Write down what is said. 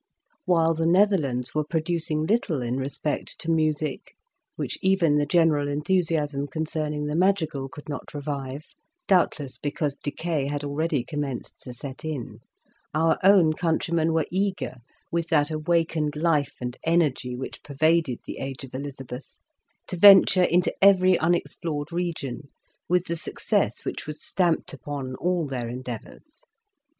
While the Netherlands were pro ducing little in respect to music (which even the general enthusiasm concerning the madrigal Introduction. could not revive, doubtless because decay had already commenced to set in), our own countrymen were eager, with that awakened life and energy which pervaded the age of Elizabeth, to venture into every unexplored region, with the success which was stamped upon all their endeavours.